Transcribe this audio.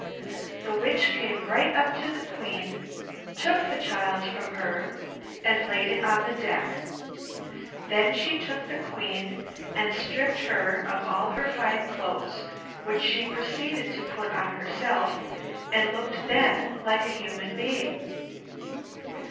The Witch came right up to the Queen, took the child from her and laid it on the deck; then she took the Queen, and stripped her of all her fine clothes, which she proceeded to put on herself, and looked then like a human being.